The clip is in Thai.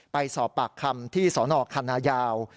ไปสอบปากคำที่สนคันนายาว